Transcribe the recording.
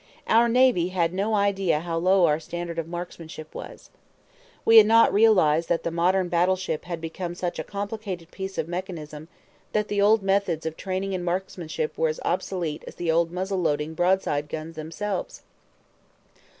Our navy had no idea how low our standard of marksmanship was. We had not realized that the modern battle ship had become such a complicated piece of mechanism that the old methods of training in marksmanship were as obsolete as the old muzzle loading broadside guns themselves.